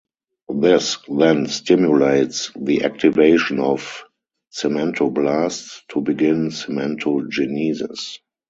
This then stimulates the activation of cementoblasts to begin cementogenesis.